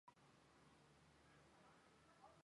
不常流泪的眼睛